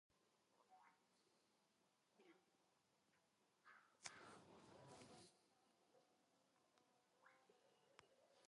خاوره د افغان کلتور په داستانونو کې ډېره راځي.